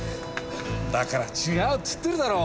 だから違うって言ってるだろ！